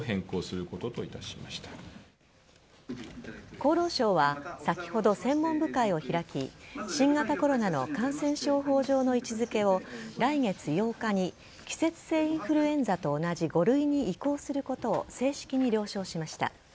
厚労省は先ほど専門部会を開き新型コロナの感染症法上の位置付けを来月８日に季節性インフルエンザと同じ５類に移行することを正式に了承しました。